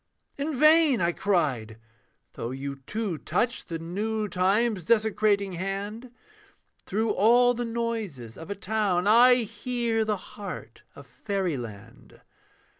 'In vain,' I cried, 'though you too touch The new time's desecrating hand, Through all the noises of a town I hear the heart of fairyland.'